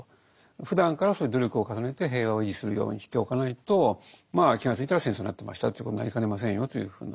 ふだんからそういう努力を重ねて平和を維持するようにしておかないとまあ気がついたら戦争になってましたということになりかねませんよというふうな。